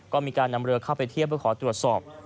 ก็มีการนำเรือเข้าไปเทียบเพื่อขอตรวจสอบ